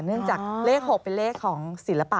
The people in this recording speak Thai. เนื่องจากเลข๖เป็นเลขของศิลปะ